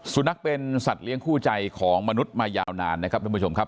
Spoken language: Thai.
สุนัขเป็นสัตว์เลี้ยงคู่ใจของมนุษย์มายาวนานนะครับทุกผู้ชมครับ